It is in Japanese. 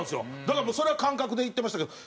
だからもうそれは感覚でいってましたけど。